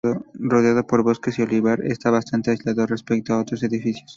Rodeado por bosque y olivar, está bastante aislado respecto a otros edificios.